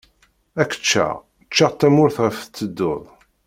Ad k-ččeɣ, ččeɣ tamurt ɣef tettedduḍ.